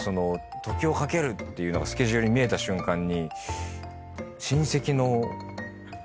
『ＴＯＫＩＯカケル』っていうのがスケジュールに見えた瞬間に。